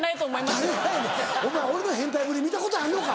誰がやねんお前俺の変態ぶり見たことあんのか！